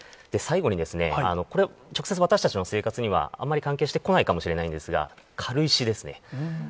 最後に、これは直接、私たちの生活にはあまり関係してこないかもしれないんですが、軽石ですね。